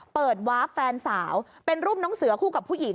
วาฟแฟนสาวเป็นรูปน้องเสือคู่กับผู้หญิง